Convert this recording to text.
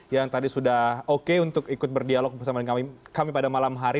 yang tadi sudah oke untuk ikut berdialog bersama kami pada malam hari